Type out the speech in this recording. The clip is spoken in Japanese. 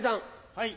はい。